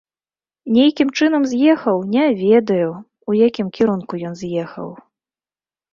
Нейкім чынам з'ехаў, не ведаю, у якім кірунку ён з'ехаў.